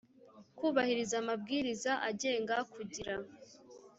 kubahiriza amabwiriza agenga kugira